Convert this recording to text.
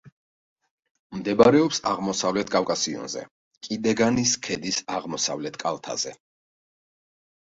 მდებარეობს აღმოსავლეთ კავკასიონზე, კიდეგანის ქედის აღმოსავლეთ კალთაზე.